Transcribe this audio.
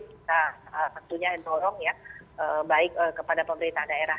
nah tentunya yang tolong ya baik kepada pemerintah daerah